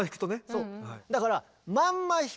そう。